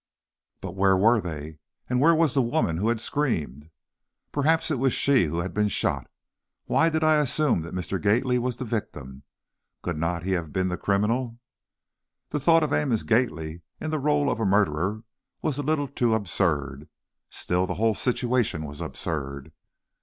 But where were they? And where was the woman who had screamed? Perhaps it was she who had been shot. Why did I assume that Mr. Gately was the victim? Could not he have been the criminal? The thought of Amos Gately in the rôle of murderer was a little too absurd! Still, the whole situation was absurd.